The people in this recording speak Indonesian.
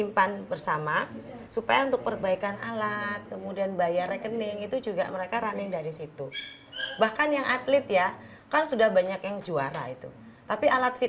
pertanyaan terakhir bagaimana penyelesaian yayasan ini